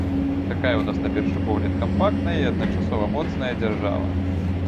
Такая ў нас на першы погляд кампактная і адначасова моцная дзяржава.